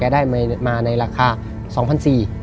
ได้มาในราคา๒๔๐๐บาท